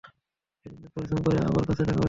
সে দিনরাত পরিশ্রম করে আমার কাছে টাকা পাঠিয়েছে।